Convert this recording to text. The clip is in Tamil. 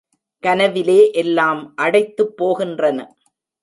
கனவிலே எல்லாம் அடைத்துப் போகின்றன.